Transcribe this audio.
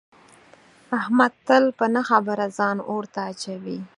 احمد تل په نه خبره ځان اور ته اچوي.